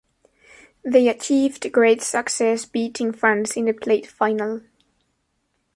They achieved great success beating France in the plate Final.